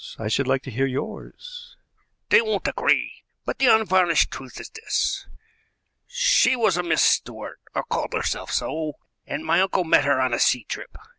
I should like to hear yours." "They won't agree; but the unvarnished truth is this. She was a Miss Stuart, or called herself so, and my uncle met her on a sea trip.